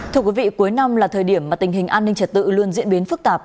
thưa quý vị cuối năm là thời điểm mà tình hình an ninh trật tự luôn diễn biến phức tạp